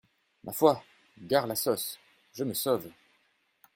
Ma foi !… gare la sauce !… je me sauve !…